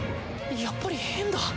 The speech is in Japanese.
やっぱり変だ。